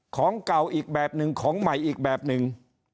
ของเก่าอีกแบบหนึ่งของใหม่อีกแบบหนึ่ง